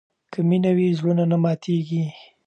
که مینه وي، زړونه نه ماتېږي.